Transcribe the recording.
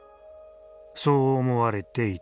そう思われていた。